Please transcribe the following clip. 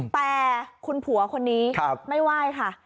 แต่คุณผัวคนนี้ไม่ไหว้ค่ะ